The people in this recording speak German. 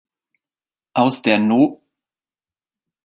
Aus der No.